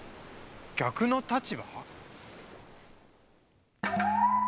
逆の立場？